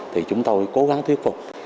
thì chúng tôi cố gắng thuyết phục